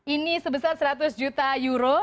ini sebesar seratus juta euro